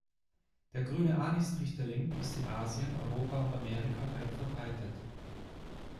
Der Grüne Anis-Trichterling ist in Asien, Europa und Amerika weit verbreitet.